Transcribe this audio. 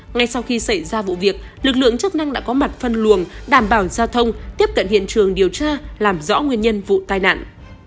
ngay sau khi xảy ra vụ việc lực lượng chức năng đã có mặt phân luồng đảm bảo giao thông tiếp cận hiện trường điều tra làm rõ nguyên nhân vụ tai nạn